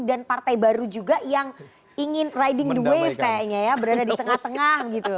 dan partai baru juga yang ingin riding the wave kayaknya ya berada di tengah tengah gitu